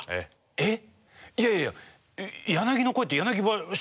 えっ？